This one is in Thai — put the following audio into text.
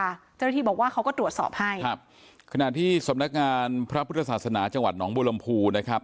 เจ้าหน้าที่บอกว่าเขาก็ตรวจสอบให้ครับขณะที่สำนักงานพระพุทธศาสนาจังหวัดหนองบุรมภูนะครับ